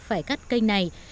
phải cắt kênh này